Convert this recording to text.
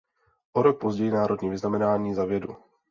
O rok později Národní vyznamenání za vědu.